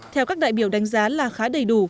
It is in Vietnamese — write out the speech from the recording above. theo các đại biểu đánh giá là khá đầy đủ